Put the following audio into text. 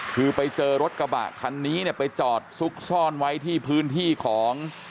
คือไปเจอรถกระบะคันนี้เนี่ยไปจอดซุกซ่อนไว้ที่พื้นที่ของ